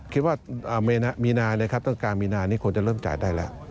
คิดว่ามีนาต้นกลางมีนานี้ควรจะเริ่มจ่ายได้แล้ว